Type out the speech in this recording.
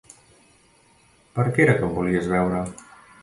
Per què era que em volies veure?